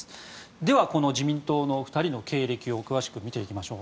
では、この自民党の２人の経歴を詳しく見ていきましょう。